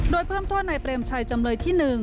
โดยเพิ่มโทษในเปรมชัยจำเลยที่๑